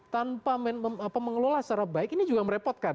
tanpa mengelola secara baik ini juga merepotkan